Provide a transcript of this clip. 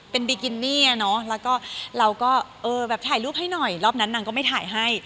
เป็นบิกินี่อ่ะเนอะแล้วก็เราก็เออแบบถ่ายรูปให้หน่อยรอบนั้นนางก็ไม่ถ่ายให้